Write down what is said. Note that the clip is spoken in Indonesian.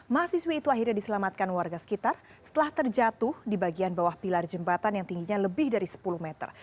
mahasiswi itu akhirnya diselamatkan warga sekitar setelah terjatuh di bagian bawah pilar jembatan yang tingginya lebih dari sepuluh meter